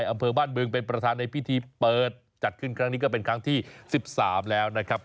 อำเภอบ้านบึงเป็นประธานในพิธีเปิดจัดขึ้นครั้งนี้ก็เป็นครั้งที่๑๓แล้วนะครับ